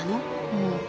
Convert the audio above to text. うん。